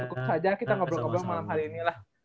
cukup saja kita ngobrol ngobrol malam hari ini lah